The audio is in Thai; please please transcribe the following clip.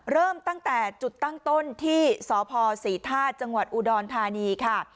เริ่มตั้งแต่จุดตั้งต้นที่สพศรีธาตุจังหวัดอุดรธานีค่ะ